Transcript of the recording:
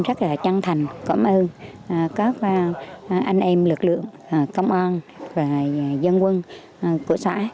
rất là chân thành cảm ơn các anh em lực lượng công an và dân quân của xã